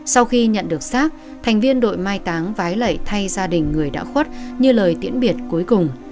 sau khi nhận được xác thành viên đội mai táng vái lẩy thay gia đình người đã khuất như lời tiễn biệt cuối cùng